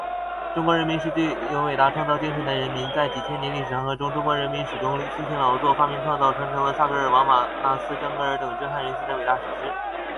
中国人民是具有伟大创造精神的人民。在几千年历史长河中，中国人民始终辛勤劳作、发明创造……传承了萨格尔王、玛纳斯、江格尔等震撼人心的伟大史诗……